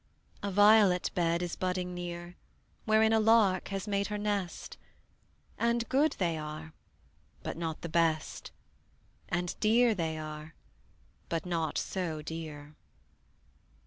A violet bed is budding near, Wherein a lark has made her nest: And good they are, but not the best; And dear they are, but not so dear.